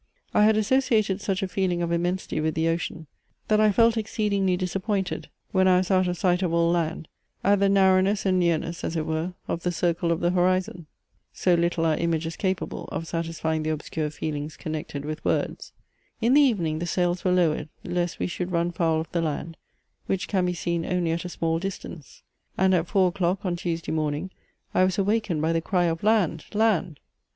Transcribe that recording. I had associated such a feeling of immensity with the ocean, that I felt exceedingly disappointed, when I was out of sight of all land, at the narrowness and nearness, as it were, of the circle of the horizon. So little are images capable of satisfying the obscure feelings connected with words. In the evening the sails were lowered, lest we should run foul of the land, which can be seen only at a small distance. And at four o'clock, on Tuesday morning, I was awakened by the cry of "land! land!"